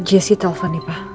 eh jessy telepon nih pak